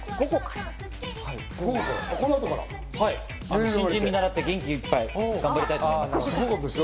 新人を見習って元気いっぱいに頑張りたいと思います。